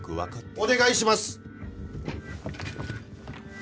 お願いします！